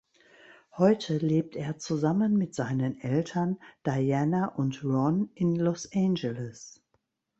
Heute lebt er zusammen mit seinen Eltern Diana und Ron in Los Angeles.